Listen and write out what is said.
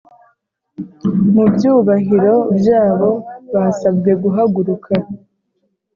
Mubyubahiro byabo basabwe guhaguruka